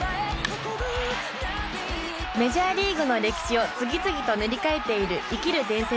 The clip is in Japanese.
メジャーリーグの歴史を次々と塗り替えている生きる伝説